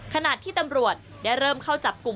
ขณะที่ตำรวจได้เริ่มเข้าจับกลุ่ม